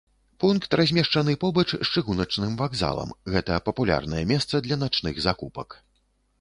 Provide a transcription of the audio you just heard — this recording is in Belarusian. Пункт размешчаны побач з чыгуначным вакзалам, гэта папулярнае месца для начных закупак.